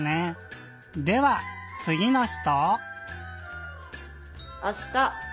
ではつぎの人！